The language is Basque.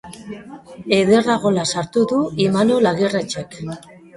Ederra gola sartu du Imanol Agirretxek!